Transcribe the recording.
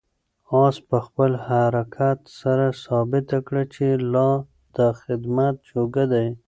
آس په خپل حرکت سره ثابته کړه چې لا د خدمت جوګه دی.